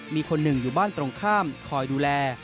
มีคนหนึ่งอยู่บ้านตรงข้ามคอยดูแล